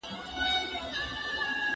زما باڼه ګډېږي سره .